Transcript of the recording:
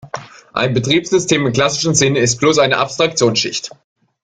Ein Betriebssystem im klassischen Sinne ist bloß eine Abstraktionsschicht.